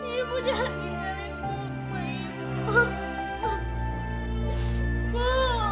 ibu jangan tinggalin kuku ibu